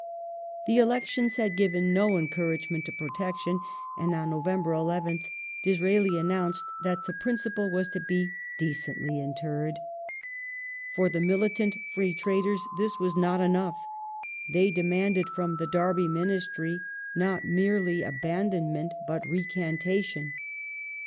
The elections had given no encouragement to Protection, and The end of on November 11th, Disraeli announced that the principle was to Protection be decently interred. For the militant Free Tradei*s this was not enough. They demanded from the Derby Ministry not merely abandonment but recantation.